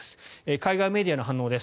海外メディアの反応です。